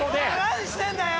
何してんだよ！